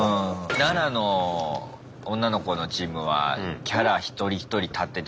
奈良の女の子のチームはキャラ一人一人立ってて面白かったね。